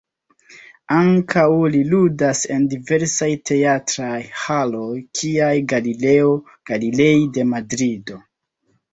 Ankaŭ li ludas en diversaj teatraj haloj kiaj Galileo Galilei de Madrido.